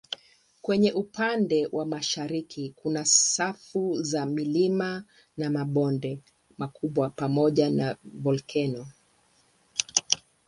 Kwenye upande wa mashariki kuna safu za milima na mabonde makubwa pamoja na volkeno.